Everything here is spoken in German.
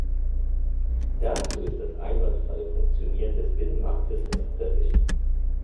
Dazu ist das einwandfreie Funktionieren des Binnenmarktes erforderlich.